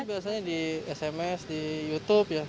biasanya di sms di youtube ya